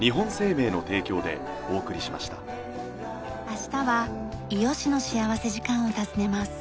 明日は伊予市の幸福時間を訪ねます。